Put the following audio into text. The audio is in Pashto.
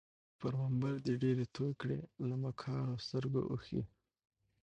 پر منبر دي ډیري توی کړې له مکارو سترګو اوښکي